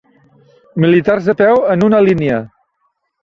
Militars de peu en una línia.